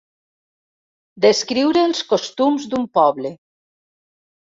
Descriure els costums d'un poble.